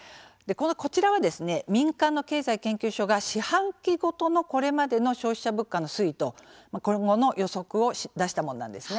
こちらは民間の経済研究所が４半期ごとのこれまでの消費者物価の推移と今後の予測を出したものなんです。